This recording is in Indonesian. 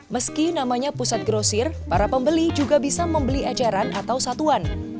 meski namanya pusat grosir para pembeli juga bisa membeli ajaran atau satuan